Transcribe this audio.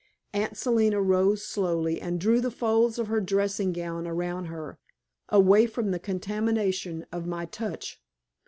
Aunt Selina rose slowly and drew the folds of her dressing gown around her, away from the contamination of my touch.